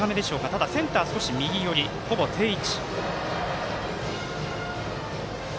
ただ、センター少し右寄りほぼ定位置。